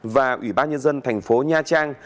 và ủy ban nhân dân thành phố nha trang